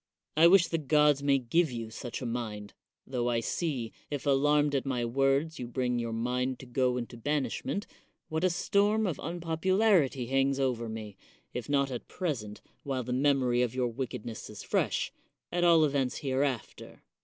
I wish the gods may give you such a mind; tho I see, if alarmed at my words you bring your mind to go into banishment, what a storm of unpopularity hangs over me, if not at present, while the mem ory of your wickedness is fresh, at all events hereafter.